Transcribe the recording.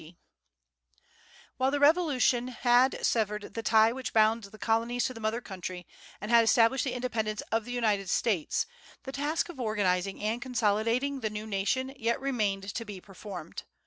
D While the Revolution had severed the tie which bound the colonies to the mother country and had established the independence of the United States, the task of organizing and consolidating the new nation yet remained to be performed.